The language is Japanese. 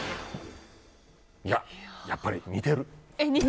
やっぱり、似てる。